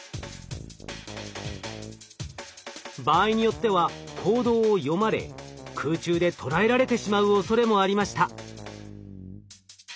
場合によっては行動を読まれ空中で捕らえられてしまうおそれもありました。